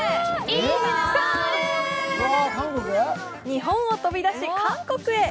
日本を飛び出し韓国へ。